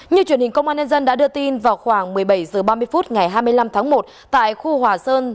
như truyền hình công an nhân dân đã đưa tin vào khoảng một mươi bảy h ba mươi phút ngày hai mươi năm tháng một